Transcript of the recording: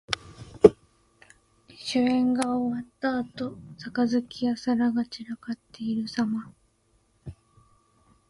酒宴が終わったあと、杯や皿が散らかっているさま。